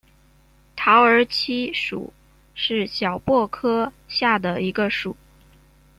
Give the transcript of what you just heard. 桃儿七属是小檗科下的一个属。